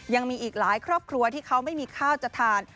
ยังมีอีกหลายครอบครัวที่เขาไม่มีข้าวจะทาน